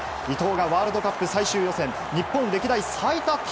伊東がワールドカップ最終予選日本歴代最多